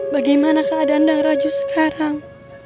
bagaimana keadaan dan raju sekarang